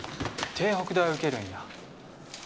帝北大受けるんや？